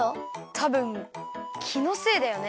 たぶんきのせいだよね。